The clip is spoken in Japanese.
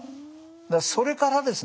それからですね。